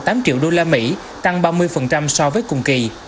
tám triệu đô la mỹ tăng ba mươi so với cùng kỳ